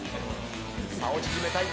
差を縮めたい。